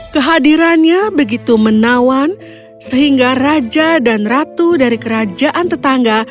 kehadirannya begitu menawan sehingga raja dan ratu dari kerajaan tetangga